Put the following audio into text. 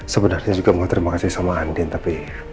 sebenarnya juga mau terima kasih sama andin tapi